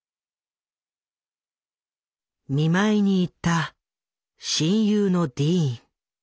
見舞いに行った親友のディーン。